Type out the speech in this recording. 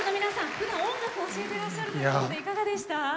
ふだん、音楽を教えていらっしゃるそうでいかがでした？